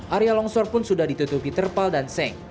area longsor pun sudah ditutupi terpal dan seng